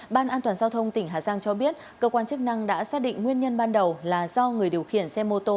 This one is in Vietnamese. ban an toàn giao thông tỉnh hà giang cho biết cơ quan chức năng đã xác định nguyên nhân ban đầu là do người điều khiển xe mô tô